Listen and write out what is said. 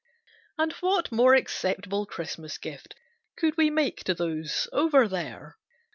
And what more acceptable Christmas gift could we make to those "over there?"